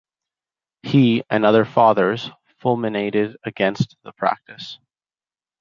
He, and other Fathers, fulminated against the practice.